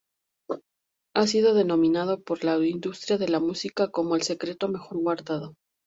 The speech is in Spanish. Ha sido denominado por "la industria de la música" como "el secreto mejor guardado".